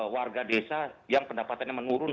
warga desa yang pendapatannya menurun